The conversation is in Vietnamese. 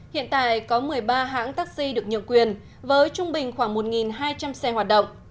hiện tại có một mươi ba hãng taxi được nhượng quyền với trung bình khoảng một hai trăm linh xe hoạt động